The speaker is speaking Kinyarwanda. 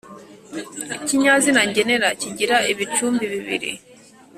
ikinyazina ngenera kigira ibicumbi bibiri.